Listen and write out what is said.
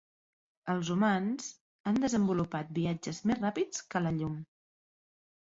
Els humans han desenvolupat viatges més ràpids que la llum.